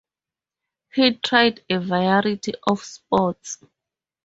He tried a variety of sports.